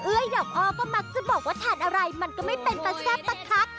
เอ้ยดอกอ๊อกก็มักจะบอกว่าฉันอะไรมันก็ไม่เป็นประแชบปะครับ